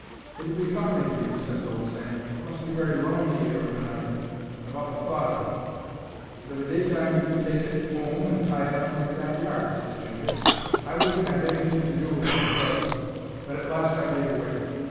"It'll be company for you," ses old Sam. "It must be very lonely 'ere of a night. I've often thought of it." "And of a day time you could take it 'ome and tie it up in your back yard," ses Ginger. I wouldn't 'ave anything to do with it at fust, but at last I gave way.